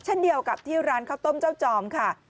เช่นเดียวกับที่ร้านข้าวต้มเจ้าจอมค่ะ